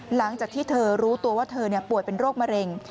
หลังจากที่เธอรู้ตัวว่าเธอป่วยเป็นโรคมะเร็ง